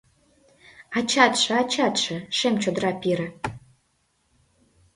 Ачатше, ачатше - шем чодыра пире